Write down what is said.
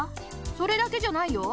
それだけじゃないよ。